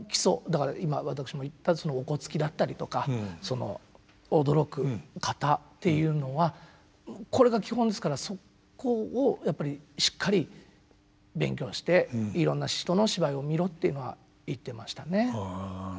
だから今私も言ったそのおこつきだったりとかその驚く「型」っていうのはこれが基本ですからそこをやっぱりしっかり勉強していろんな人の芝居を見ろっていうのは言ってましたね。